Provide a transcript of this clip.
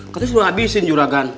katanya suruh abisin jorokan